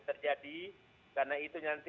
terjadi karena itu nanti